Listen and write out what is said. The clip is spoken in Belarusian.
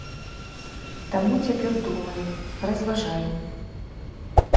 Таму цяпер думаем, разважаем.